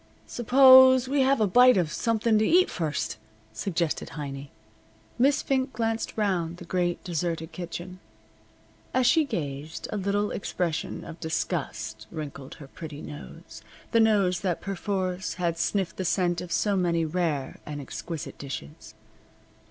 "Suppose we have a bite of something to eat first," suggested Heiny. Miss Fink glanced round the great, deserted kitchen. As she gazed a little expression of disgust wrinkled her pretty nose the nose that perforce had sniffed the scent of so many rare and exquisite dishes.